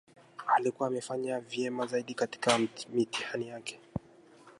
Alikua amefanya vyema zaidi katika mitihani yake